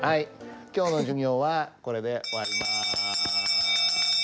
今日の授業はこれで終わります。